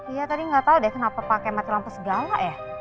iya tadi gak tau deh kenapa pake mati lampu segala ya